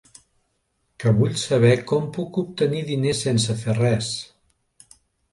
Que vull saber com puc obtenir diners sense fer res.